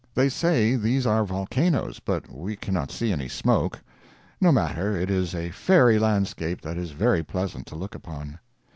They say these are volcanoes, but we cannot see any smoke. No matter—it is a fairy landscape that is very pleasant to look upon.